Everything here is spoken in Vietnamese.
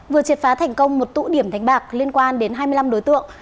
vừa triệt phá thành công một tụ điểm đánh bạc liên quan đến hai mươi năm đối tượng